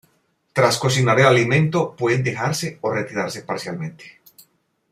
Tras cocinar el alimento, pueden dejarse o retirarse parcialmente.